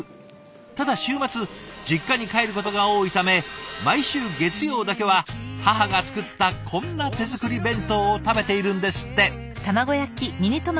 ただ週末実家に帰ることが多いため毎週月曜だけは母が作ったこんな手作り弁当を食べているんですって。